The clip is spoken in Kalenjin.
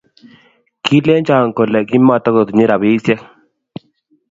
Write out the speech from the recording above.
Kilenjon kole komakotinyei rapisyek.